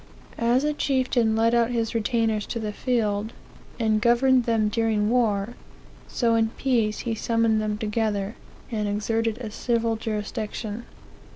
"As a chieftain led out his retainers to the field, and governed them during war; so in peace he summoned them together, and exerted a civil jurisdiction.